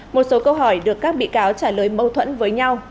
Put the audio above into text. một số câu hỏi được các bị cáo trả lời mâu thuẫn với nhau